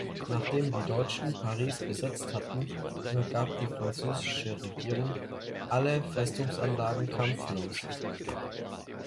Nachdem die Deutschen Paris besetzt hatten, übergab die französische Regierung alle Festungsanlagen kampflos.